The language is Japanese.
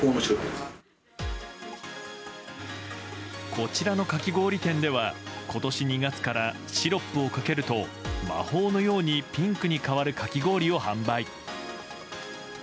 こちらのかき氷店では今年２月からシロップをかけると魔法のようにピンクに変わるかき氷を販売。